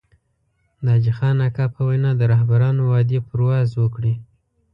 د حاجي خان اکا په وينا د رهبرانو وعدې پرواز وکړي.